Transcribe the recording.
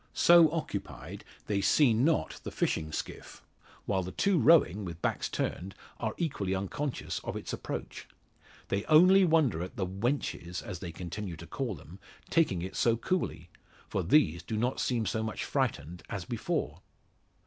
So occupied they see not the fishing skiff, while the two rowing, with backs turned, are equally unconscious of its approach. They only wonder at the "wenches," as they continue to call them, taking it so coolly, for these do not seem so much frightened as before.